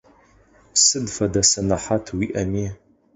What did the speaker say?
Сыд фэдэ сэнэхьат уиIэми.